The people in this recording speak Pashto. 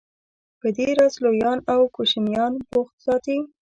په دې راز لویان او کوشنیان بوخت ساتي.